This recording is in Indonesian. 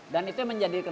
dan itu yang menjadikan